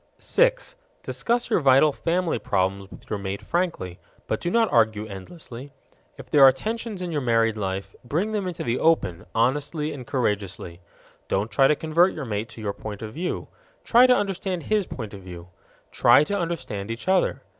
6. Discuss your vital family problems with your mate frankly, but do not argue endlessly. If there are tensions in your married life, bring them into the open, honestly and courageously. Don't try to convert your mate to your point of view; try to understand his point of view. Try to understand each other.